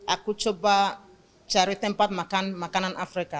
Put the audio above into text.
aku coba cari tempat makan makanan afrika